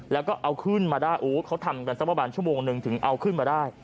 แล้วก็เอาขึ้นมาได้โอ้เขาทำกันสักประมาณชั่วโมงหนึ่งถึงเอาขึ้นมาได้